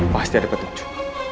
pasti ada petunjuk